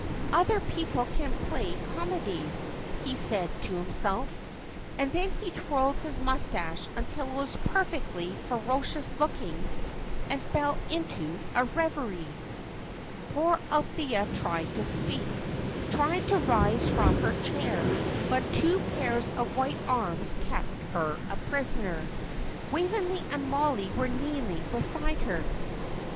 "Other people can play comedies," he said to himself; and then he twirled his moustache until it was perfectly ferocious looking, and fell into a reverie. Poor Althea tried to speak, tried to rise from her chair, but two pairs of white arms kept her a prisoner. Waveney and Mollie were kneeling beside her.